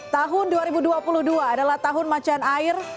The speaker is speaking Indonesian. tahun dua ribu dua puluh dua adalah tahun macan air